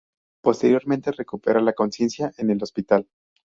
Posteriormente recupera la conciencia en el hospital.